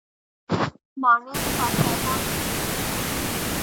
ماڼۍ د پاچاهانو یادونه کوي.